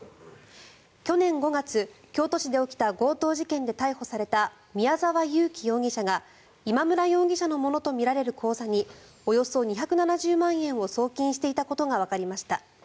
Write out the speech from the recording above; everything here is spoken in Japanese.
去年５月、京都市で起きた強盗事件で逮捕された宮沢優樹容疑者が今村容疑者のものとみられる口座におよそ２７０万円を送金していたことがわかりました。